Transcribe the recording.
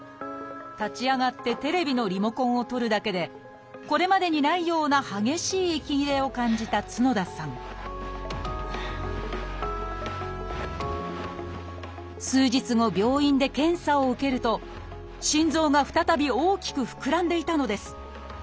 立ち上がってテレビのリモコンを取るだけでこれまでにないような激しい息切れを感じた角田さん数日後病院で検査を受けると心臓が再び大きく膨らんでいたのです。